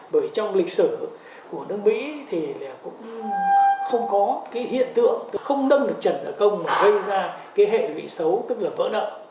bởi trong lịch sử của nước mỹ thì là cũng không có cái hiện tượng không đâm được trần nợ công mà gây ra cái hệ lụy xấu tức là vỡ nợ